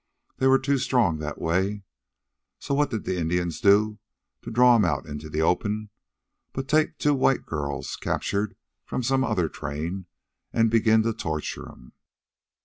They was too strong that way, so what'd the Indians do, to draw 'em out into the open, but take two white girls, captured from some other train, an' begin to torture 'em.